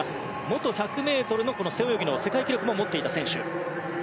元１００ｍ背泳ぎの世界記録も持っていた選手。